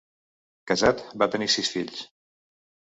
Casat, va tenir sis fills.